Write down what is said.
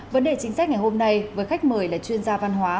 vấn đề chính sách ngày hôm nay với khách mời là chuyên gia văn hóa